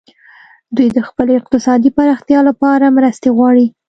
دوی د خپلې اقتصادي پراختیا لپاره مرستې غواړي